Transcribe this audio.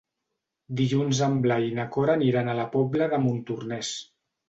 Dilluns en Blai i na Cora aniran a la Pobla de Montornès.